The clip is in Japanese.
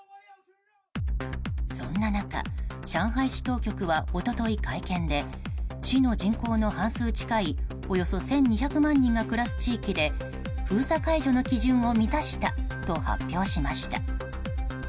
そんな中、上海市当局は一昨日、会見で市の人口の半数近いおよそ１２００万人が暮らす地域で封鎖解除の基準を満たしたと発表しました。